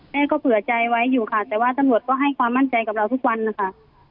แม่ก็เผื่อใจไว้อยู่ค่ะแต่ว่าตำรวจก็ให้ความมั่นใจกับเราทุกวันนะคะ